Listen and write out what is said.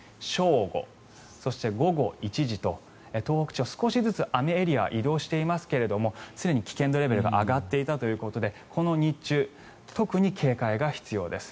１１時、正午、そして午後１時と東北地方少しずつ雨エリアは移動していますが常に危険度は上がっていたということでこの日中特に警戒が必要です。